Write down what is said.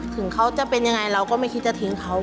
ถึงเขาจะเป็นยังไงเราก็ไม่คิดจะทิ้งเขา